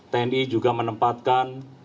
tni juga menempatkan